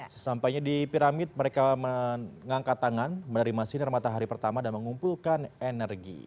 sesampainya di piramid mereka mengangkat tangan menerima sinar matahari pertama dan mengumpulkan energi